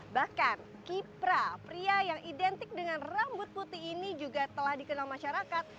bahkan kipra pria yang identik dengan rambut putih ini juga telah dikenal masyarakat